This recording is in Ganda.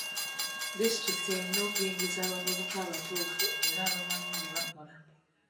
Disitulikiti erina okuyingiza abavuzi abatuufu era abamanyi bye bakola.